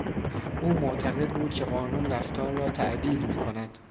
او معتقد بود که قانون رفتار را تعدیل می کند.